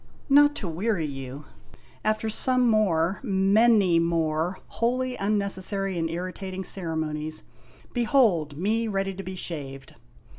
Not to weary you, after some more, many more, wholly unnecessary and irritating cere monies, behold me ready to be shaved